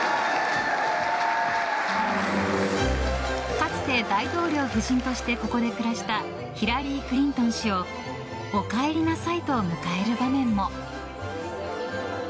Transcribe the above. かつて大統領夫人としてここで暮らしたヒラリー・クリントン氏をおかえりなさいと迎える場面も。